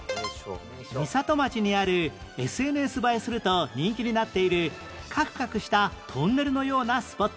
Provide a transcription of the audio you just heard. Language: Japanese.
美里町にある ＳＮＳ 映えすると人気になっているカクカクしたトンネルのようなスポット